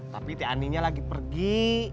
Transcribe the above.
tapi t aninya lagi pergi